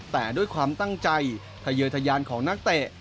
แต่ด้วยความตั้งใจทะเยยทะยานของนักเตะ